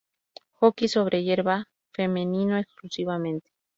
Hockey sobre hierba femenino exclusivamente